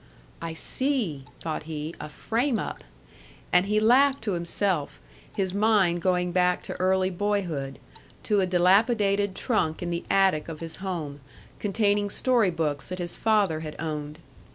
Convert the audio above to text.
"I see!" thought he. "A frame up!" And he laughed to himself, his mind going back to early boyhood to a dilapidated trunk in the attic of his home, containing story books that his father had owned.